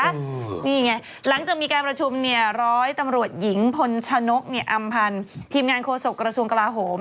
นี่ไงหลังจากมีการประชุมเนี่ยร้อยตำรวจหญิงพลชนกเนี่ยอำพันธ์ทีมงานโฆษกระทรวงกลาโหม